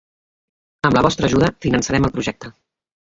Amb la vostra ajuda finançarem el projecte!